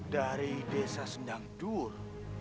dari desa sendang dura